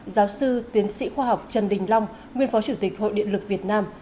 giáo sư tiến sĩ khoa học trần đình long nguyên phó chủ tịch hội điện lực việt nam